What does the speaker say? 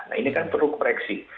nah ini kan peruk preksi